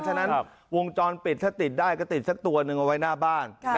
ฉะนั้นวงจรปิดถ้าติดได้ก็ติดสักตัวหนึ่งเอาไว้หน้าบ้าน